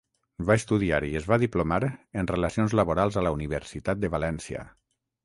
Va estudiar i es va diplomar en Relacions Laborals a la Universitat de València.